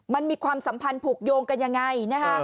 มันมีความสัมพันธ์ผูกโยงกันยังไงนะฮะ